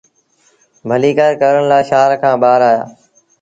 ڀليٚڪآر ڪرڻ لآ شآهر کآݩ ٻآهر آيآ۔